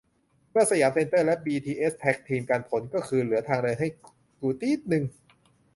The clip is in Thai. เมื่อสยามเซ็นเตอร์และบีทีเอสแท็คทีมกัน ผลก็คือ เหลือทางเดินให้กูติ๊ดนึง